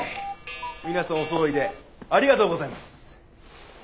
皆さんおそろいでありがとうございます。